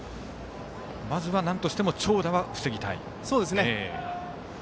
まずはなんとしても長打は防ぎたい。